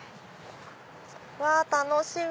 うわ楽しみ！